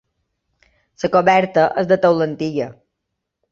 La coberta és de teula antiga.